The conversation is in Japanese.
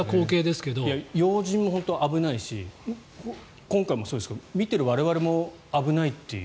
要人も本当は危ないし今回もそうですが見ている我々も危ないという。